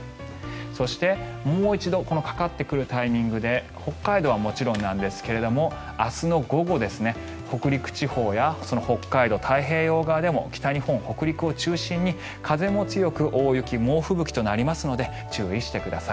そして、もう一度かかってくるタイミングで北海道はもちろんなんですけれども明日の午後北陸地方や北海道太平洋側でも北日本、北陸を中心に風も強く大雪、猛吹雪となりますので注意してください。